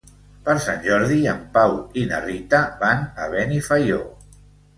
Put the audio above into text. Per Sant Jordi en Pau i na Rita van a Benifaió.